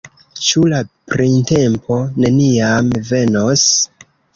Ĉu la printempo neniam venos?